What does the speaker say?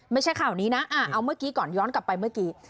ไม่ใช่ข่าวนี้นะเอาเมื่อกี้ก่อนย้อนกลับไปเมื่อกี้